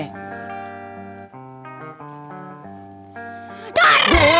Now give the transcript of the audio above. tidak ada apa apa